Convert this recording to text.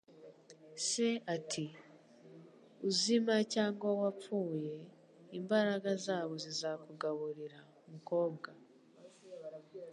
Se ati: "Uzima cyangwa wapfuye, imbaraga zabo zizakugaburira, mukobwa".